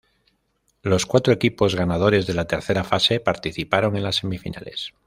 Los cuatro equipos ganadores de la tercera fase participaron en las semifinales.